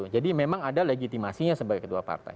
jadi memang ada legitimasinya sebagai ketua partai